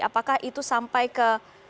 apakah itu sampai ke